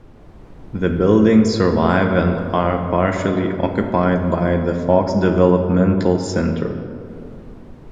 The buildings survive and are partially occupied by the Fox Developmental Center.